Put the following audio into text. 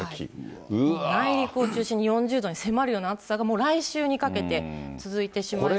内陸を中心に４０度に迫るような暑さが、もう来週にかけて続いてしまいそうです。